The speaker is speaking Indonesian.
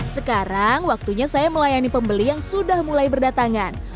sekarang waktunya saya melayani pembeli yang sudah mulai berdatangan